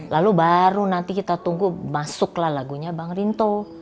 lalu baru nanti kita tunggu masuklah lagunya bang rinto